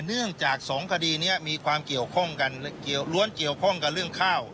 เนื่องจากสองคดีนี้มีความเกี่ยวข้องกันเกี่ยวล้วนเกี่ยวข้องกับเรื่องข้าว